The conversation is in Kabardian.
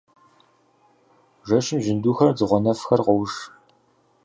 Жэщым жьындухэр, дзыгъуэнэфхэр къоуш.